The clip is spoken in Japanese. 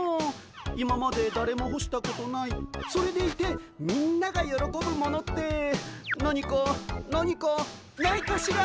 今までだれもほしたことないそれでいてみんながよろこぶものって何か何かないかしら。